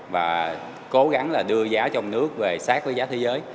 và cố gắng là đưa giá trong nước về sát với giá thế giới